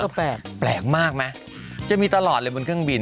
แปลกมากไหมจะมีตลอดเลยบนเครื่องบิน